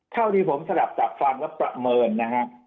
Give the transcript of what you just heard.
เท่าที่ผมสะดับจากความรับประเมินนะครับ